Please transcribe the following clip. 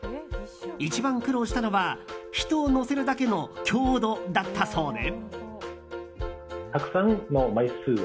一番苦労したのは人を乗せるだけの強度だったそうで。